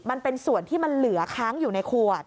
มันเป็นส่วนที่มันเหลือค้างอยู่ในขวด